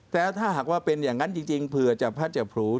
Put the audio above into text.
แต่ถ้าหากว่าเป็นอย่างนั้นจริงเผื่อจะพัดจับผลู